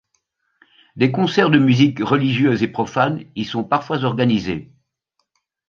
Des concerts de musique religieuse et profane y sont parfois organisés.